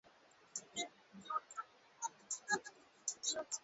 Wakati wa miaka maka kiumi na saba Ronaldo alikuwa